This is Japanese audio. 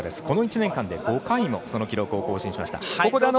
この１年間で５回も、その記録を更新しました。